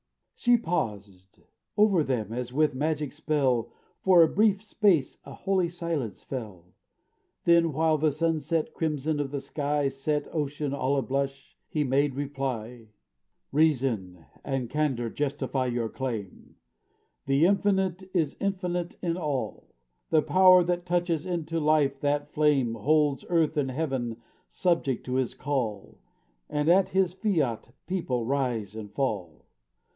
She paused, and o'er them, as with magic spell, For a brief space a holy silence fell; Then while the sunset crimson of the sky Set ocean all a blush, he made reply: "Reason and candor justify your claim; The Infinite is infinite in all; The Power that touches into life that flame Holds earth and heaven subject to His call, And at His fiat peoples rise and fall.